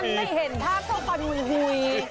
มันไม่เห็นภาพของควันหุ่ยหุ่ย